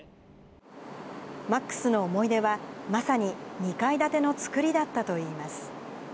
Ｍａｘの思い出は、まさに２階建ての造りだったといいます。